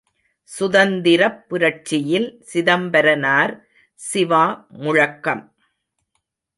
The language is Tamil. சுதந்திரப் புரட்சியில் சிதம்பரனார், சிவா முழக்கம்!